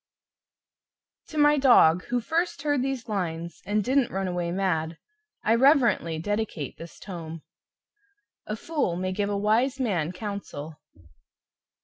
To MY DOG, Who first heard these lines And didn't run away MAD, I Reverently Dedicate This Tome "A Fool may give a Wise Man counsel."